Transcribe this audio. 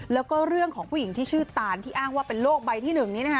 แล้วก็เรื่องของผู้หญิงที่ชื่อตานที่อ้างว่าเป็นโรคใบที่๑นี้นะคะ